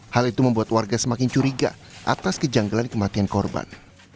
hal itu membuat warga semakin curiga atas kejanggalan kematian korban